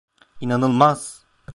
İnanılmaz!